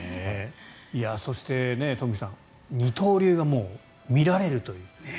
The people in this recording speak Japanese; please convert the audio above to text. そして、東輝さん二刀流が見られるという。